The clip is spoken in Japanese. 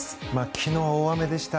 昨日、大雨でした。